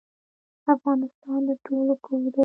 افغانستان د ټولو کور دی